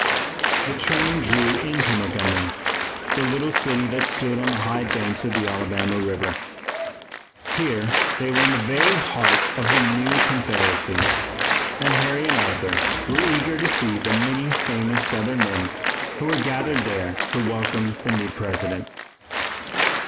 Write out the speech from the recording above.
The train drew into Montgomery, the little city that stood on the high banks of the Alabama River. Here they were in the very heart of the new Confederacy, and Harry and Arthur were eager to see the many famous Southern men who were gathered there to welcome the new President.